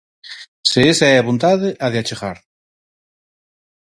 Se esa é a vontade, ha de achegar.